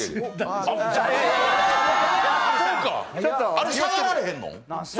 あれ下がられへんの？